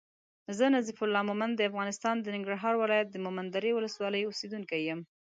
زه نظیف الله مومند د افغانستان د ننګرهار ولایت د مومندرې ولسوالی اوسېدونکی یم